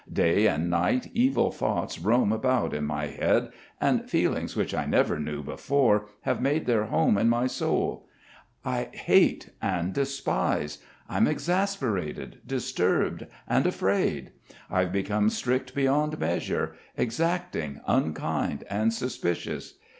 Day and night evil thoughts roam about in my head, and feelings which I never knew before have made their home in my soul. I hate and despise; I'm exasperated, disturbed, and afraid. I've become strict beyond measure, exacting, unkind, and suspicious.